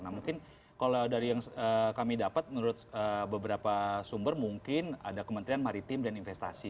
nah mungkin kalau dari yang kami dapat menurut beberapa sumber mungkin ada kementerian maritim dan investasi